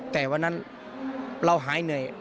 แต่วันนั้นเราหายเหนื่อย